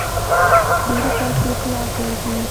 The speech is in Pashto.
ډېرې پیسې په لاس ورځي.